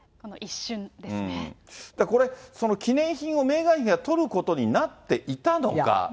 これ、記念品をメーガン妃が取ることになっていたのか。